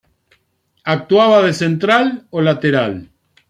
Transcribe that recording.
Actuaba de central o lateral.